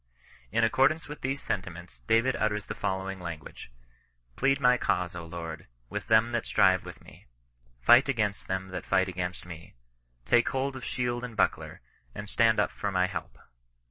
In accordance with these sentiments David utters the fol lowing language: " Plead my cause, Lord, with them that strive with me : fight against th^n that fight against me. Take hold of shield and buckler, and stand up for my help.